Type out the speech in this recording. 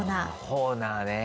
ホーナーね。